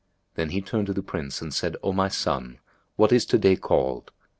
Then he turned to the Prince and said, "O my son, what is to day called?"